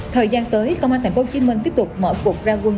thời gian tới công an tp hcm tiếp tục mở cuộc ra quân